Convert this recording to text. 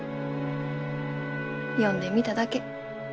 呼んでみただけ。